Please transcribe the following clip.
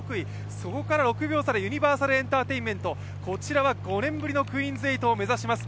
そこから６秒差でユニバーサルエンターテインメント、こちらは５年ぶりのクイーンズ８を目指します。